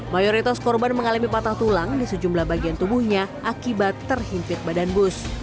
mayoritas korban mengalami patah tulang di sejumlah bagian tubuhnya akibat terhimpit badan bus